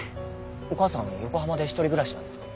お母さん横浜で一人暮らしなんですか？